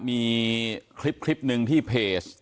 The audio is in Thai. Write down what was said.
มีคลิปหนึ่งที่เพจ